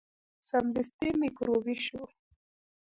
سمدستي میکروبي شو.